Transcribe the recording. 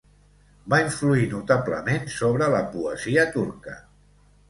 Va influir notablement sobre la poesia turca.